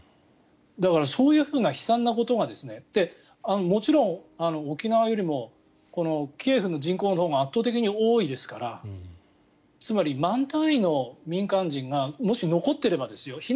だから、そういう悲惨なことがもちろん、沖縄よりもこのキエフの人口のほうが圧倒的に多いですから。つまり万単位の民間人がもし残っていればですよ